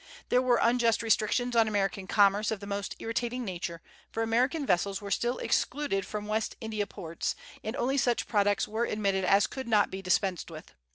There were unjust restrictions on American commerce of the most irritating nature, for American vessels were still excluded from West India ports, and only such products were admitted as could not be dispensed with.